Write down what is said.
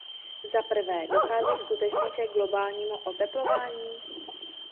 Zaprvé, dochází skutečně ke globálnímu oteplování?